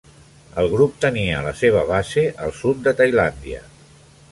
El grup tenia la seva base al sud de Tailàndia.